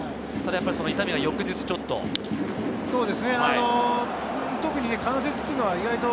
痛みは翌日ちょっと。